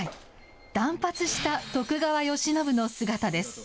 断髪した徳川慶喜の姿です。